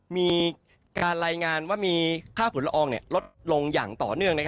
มีการรายงานว่ามีค่าฝุ่นละอองลดลงอย่างต่อเนื่อง